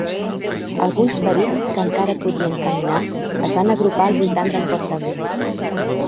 Alguns ferits, que encara podien caminar, es van agrupar al voltant del portaveu.